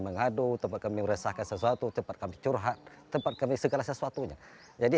mengadu tempat kami meresahkan sesuatu tempat kami curhat tempat kami segala sesuatunya jadi